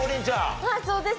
はいそうです。